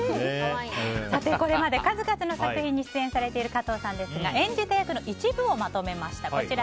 これまで数々の作品に出演されている加藤さんですが演じた役の一部をまとめました。